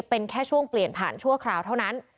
เป็นแค่ช่วงเปลี่ยนผ่านชั่วคราวเท่านั้น